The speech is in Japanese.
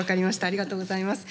ありがとうございます。